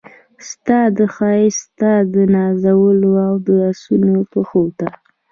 ستا د ښایست ستا دنازونو د اسونو پښو ته